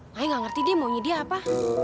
makanya gak ngerti dia maunya dia apa